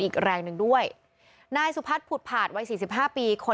อีกแรงหนึ่งด้วยนายสุพัทภูภาษไว้๔๕ปี